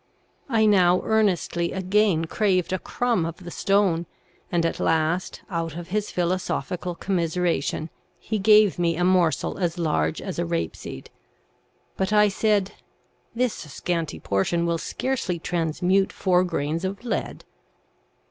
I now earnestly again craved a crumb of the stone, and at last, out of his philosophical commiseration, he gave me a morsel as large as a rape seed ; but I said, ' This scanty portion will scarcely trans mute four grains of lead.'